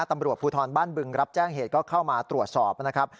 ตำรวจภูทรบ้านบึงรับแจ้งเหตุก็เข้ามาตรวจสอบนะครับ